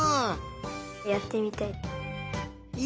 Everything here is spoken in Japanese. やってみたい。